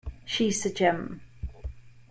She’s a gem.